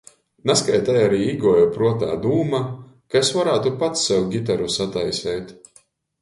Nazkai tai ari īguoja pruotā dūma, ka es varātu pats sev gitaru sataiseit.